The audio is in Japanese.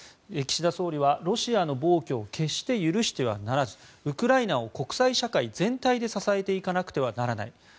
岸田総理は、ロシアの暴挙を決して許してはならずウクライナを国際社会全体で支えていかなくてはならない。